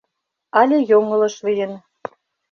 Але йоҥылыш лийын.